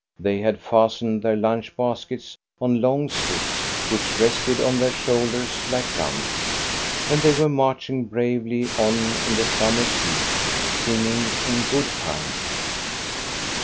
They had fastened their lunch baskets on long sticks, which rested on their shoulders like guns, and they were marching bravely on in the summer's heat, singing in good time.